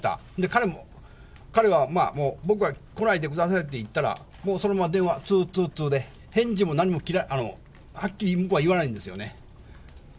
彼も、彼はもう、僕が来ないでくださいって言ったら、もうそのまま電話つーつーつーで、返事もなんにもはっきり、向こうは言わないんですよね。